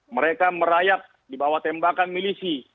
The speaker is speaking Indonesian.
mereka merayap di bawah tembakan milisi